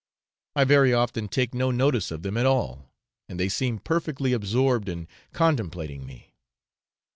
I very often take no notice of them at all, and they seem perfectly absorbed in contemplating me.